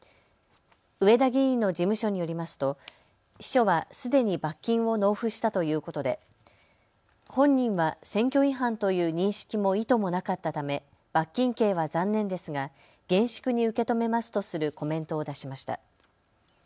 上田議員の事務所によりますと秘書はすでに罰金を納付したということで本人は選挙違反という認識も意図もなかったため罰金刑は残念ですが厳粛に受け止めますとするコメントを出しました。